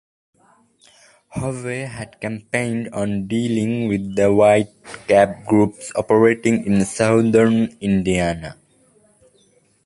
Hovey had campaigned on dealing with the White Cap groups operating in southern Indiana.